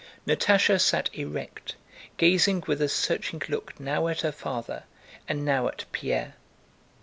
Natásha sat erect, gazing with a searching look now at her father and now at Pierre.